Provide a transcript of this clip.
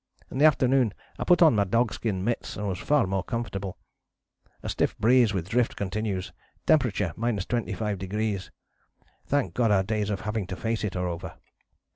In the afternoon I put on my dogskin mitts and was far more comfortable. A stiff breeze with drift continues: temperature 25°. Thank God our days of having to face it are over.